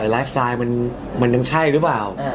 ไลฟ์ไซน์มันยังใช่รึเปล่า